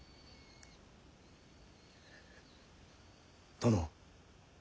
殿。